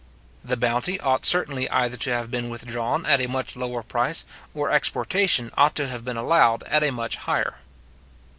The bounty ought certainly either to have been withdrawn at a much lower price, or exportation ought to have been allowed at a much higher.